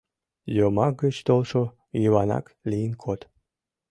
— Йомак гыч толшо Йыванак лийын код!